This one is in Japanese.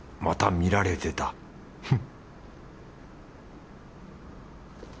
また見られてたフン